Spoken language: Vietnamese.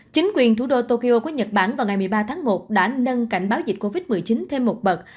chính quyền thủ đô tokyo của nhật bản vào ngày một mươi ba tháng một đã nâng cảnh báo dịch covid một mươi chín thêm một bậc